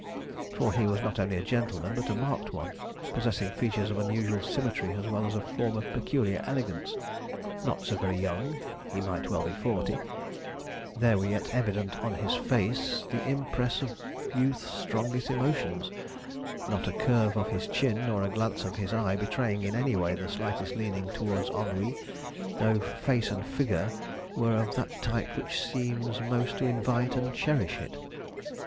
For he was not only a gentleman, but a marked one; possessing features of unusual symmetry as well as a form of peculiar elegance. Not so very young he might well be forty there were yet evident on his face the impress of youth's strongest emotions, not a curve of his chin nor a glance of his eye betraying in any way the slightest leaning towards ennui, though face and figure were of that type which seems most to invite and cherish it.